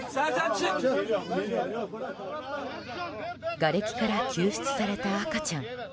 がれきから救出された赤ちゃん。